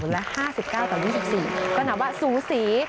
และ๕๙ต่อ๒๔ก็นับว่าสูสี